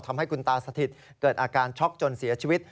ทำให้คุณตาสถิตเกิดอาการช็อกจนเสียชีวิต